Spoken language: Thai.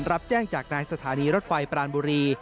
รับแจ้งจากนายสถานีรถไฟปรานบุรี